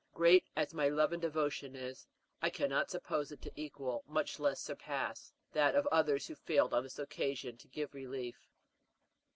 "Great as my love and devotion is, I cannot suppose it to equal, much less to surpass, that of others who yet failed on this occasion to give relief."